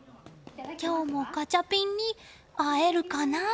今日もガチャピンに会えるかな？